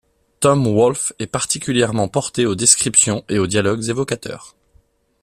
Tom Wolfe est particulièrement porté aux descriptions et aux dialogues évocateurs.